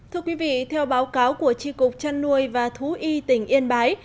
thưa quý vị theo báo cáo của tri cục trăn nuôi và thú y tỉnh yên bái